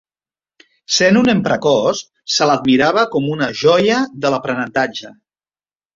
Sent un nen precoç, se l'admirava com una joia de l'aprenentatge.